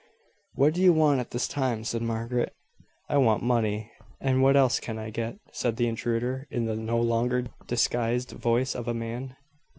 "What do you want at this time?" said Margaret. "I want money, and what else I can get," said the intruder, in the no longer disguised voice of a man.